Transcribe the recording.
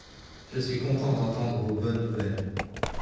Je suis content d'entendre vos bonnes nouvelles.